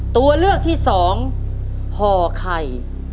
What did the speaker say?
ตัวเลือกที่สองห่อไข่